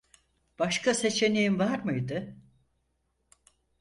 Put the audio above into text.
Başka seçeneğim var mıydı?